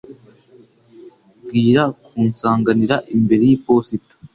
Bwira kunsanganira imbere yiposita.